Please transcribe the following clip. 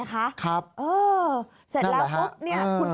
ครับนั่นแหละครับเสร็จแล้วปุ๊บ